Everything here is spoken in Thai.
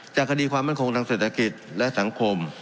คดีความมั่นคงทางเศรษฐกิจและสังคม